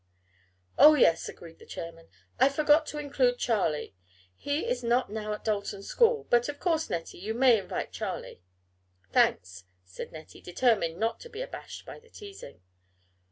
"Oh, yes," agreed the chairman, "I forgot to include Charlie. He is not now at Dalton school, but of course, Nettie, you may invite Charlie." "Thanks," said Nettie, determined not to be abashed by the teasing.